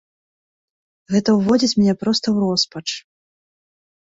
Гэта ўводзіць мяне проста ў роспач.